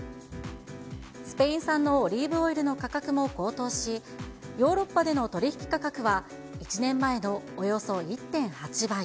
スペイン産のオリーブオイルの価格も高騰し、ヨーロッパでの取り引き価格は、１年前のおよそ１．８倍。